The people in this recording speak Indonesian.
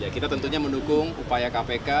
kita tentunya mendukung upaya kpk